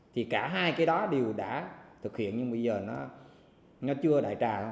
thì cả hai cái đó đều đã thực hiện nhưng bây giờ nó chưa đại trà